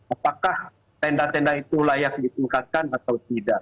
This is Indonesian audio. apakah tenda tenda itu layak ditingkatkan atau tidak